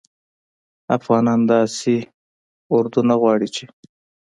افغانان داسي اردو نه غواړي چې